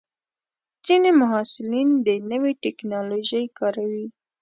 ځینې محصلین د نوې ټکنالوژۍ کاروي.